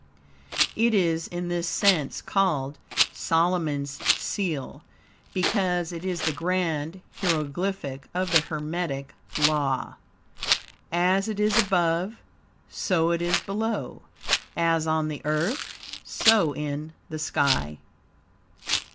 It is, in this sense, called "Solomon's Seal," because it is the grand hieroglyphic of the Hermetic law: "As it is above, so it is below; as on the Earth, so in the sky."